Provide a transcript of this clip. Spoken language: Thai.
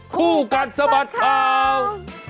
คู่กัดสะบัดข่าว